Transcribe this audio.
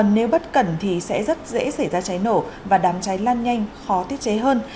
nếu bất cẩn thì sẽ rất dễ xảy ra cháy nổ và đám cháy lan nhanh khó tiết chế hơn